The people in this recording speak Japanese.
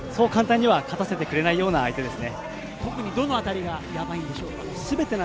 やばすぎて、そう簡単には勝たせてくれないような相手ですね。